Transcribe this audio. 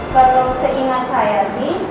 kalau seingat saya sih